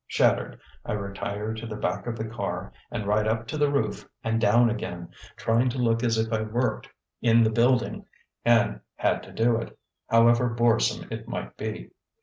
Shattered, I retire to the back of the car and ride up to the roof and down again, trying to look as if I worked in the building and had to do it, however boresome it might be.